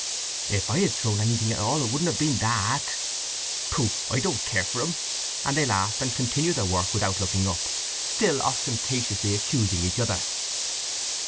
"If I had thrown anything at all, it shouldn't have been that!" "Pooh! I don't care for him!" And they laughed and continued their work, without looking up, still ostentatiously accusing each other.